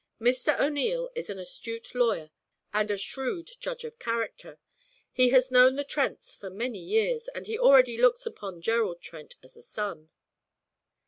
Mr. O'Neil is an astute lawyer and a shrewd judge of character; he has known the Trents for many years, and he already looks upon Gerald Trent as a son.'